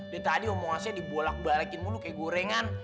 dari tadi omongan saya dibolak balakin mulu kayak gorengan